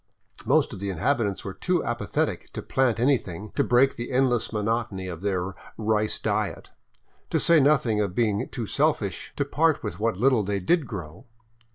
Most of the inhabitants were too apathetic to plant anything to break the endless monotony of their rice 573 VAGABONDING DOWN THE ANDES diet, to say nothing of being too selfish to part with what Httle they did grow.